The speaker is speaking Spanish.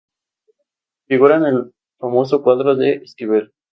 Figura en el famoso cuadro de Esquivel.